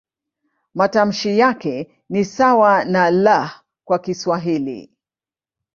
Matamshi yake ni sawa na "L" kwa Kiswahili.